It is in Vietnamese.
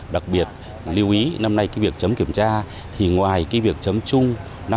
đặc biệt lưu ý năm nay cái việc chấm kiểm tra thì ngoài cái việc chấm chung năm